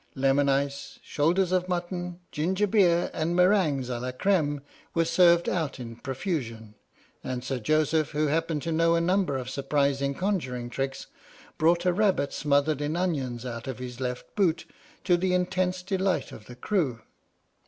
Lemon ice, shoulders of mutton, ginger beer and 129 s H.M.S. "PINAFORE" meringiies a la crfone were served out in profusion, and Sir Joseph, who happened to know a number of surprising conjuring tricks, brought a rabbit smothered in onions out of his left boot, to the intense delight of the crew.